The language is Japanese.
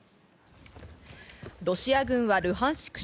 ロシア軍はルハンシク